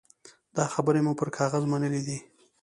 دا خبرې مو پر کاغذ منلي دي.